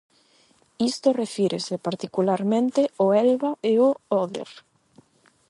Isto refírese, particularmente ó Elba e ó Oder.